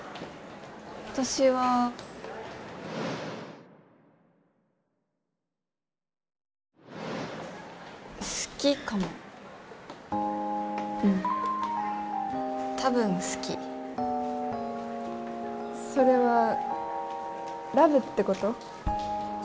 私は好きかもうん多分好きそれはラブってこと？